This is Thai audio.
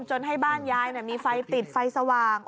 จนให้บ้านยายมีไฟติดไฟสว่าง